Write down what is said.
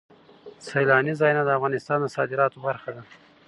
سیلانی ځایونه د افغانستان د صادراتو برخه ده.